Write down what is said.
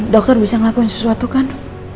dokter bisa ngelakuin sesuatu kan